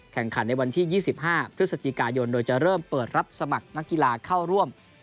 ในวันที่๒๕พฤศจิกายนโดยจะเริ่มเปิดรับสมัครนักกีฬาเข้าร่วม